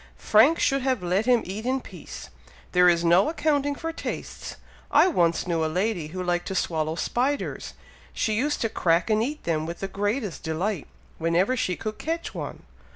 "Frank should have let him eat in peace! There is no accounting for tastes. I once knew a lady who liked to swallow spiders! She used to crack and eat them with the greatest delight, whenever she could catch one."